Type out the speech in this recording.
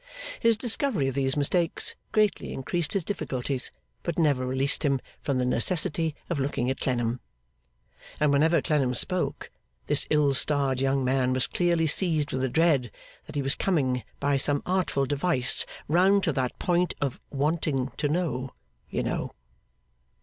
His discovery of these mistakes greatly increased his difficulties, but never released him from the necessity of looking at Clennam. And whenever Clennam spoke, this ill starred young man was clearly seized with a dread that he was coming, by some artful device, round to that point of wanting to know, you know.